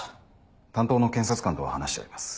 担当の検察官とは話してあります